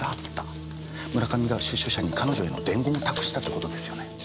村上が出所者に彼女への伝言を託したってことですよね。